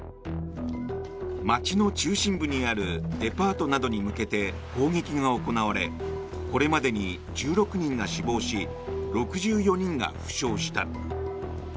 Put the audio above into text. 街の中心部にあるデパートなどに向けて砲撃が行われこれまでに１６人が死亡し６４人が負傷した。